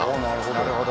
なるほど。